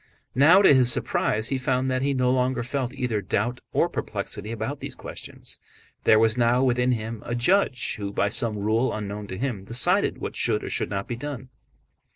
Now to his surprise he found that he no longer felt either doubt or perplexity about these questions. There was now within him a judge who by some rule unknown to him decided what should or should not be done.